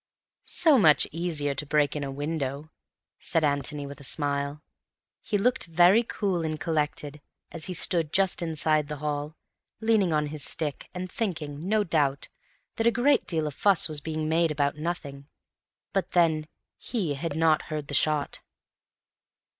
"So much easier to break in a window," said Antony with a smile. He looked very cool and collected, as he stood just inside the hall, leaning on his stick, and thinking, no doubt, that a great deal of fuss was being made about nothing. But then, he had not heard the shot.